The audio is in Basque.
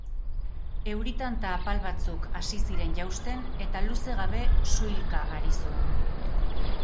Euri-tanta apal batzuk hasi ziren jausten, eta luze gabe suilka ari zuen.